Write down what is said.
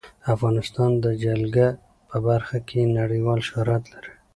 افغانستان د جلګه په برخه کې نړیوال شهرت لري.